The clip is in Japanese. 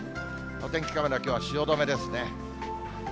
お天気カメラ、きょうは汐留ですね。